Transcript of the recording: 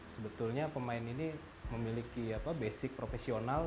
sebetulnya pemain ini memiliki basic profesional